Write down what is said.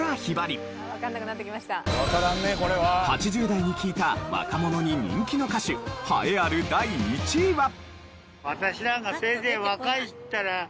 ８０代に聞いた若者に人気の歌手栄えある第１位は。